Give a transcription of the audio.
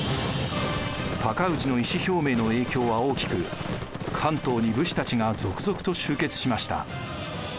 高氏の意思表明の影響は大きく関東に武士たちが続々と集結しました。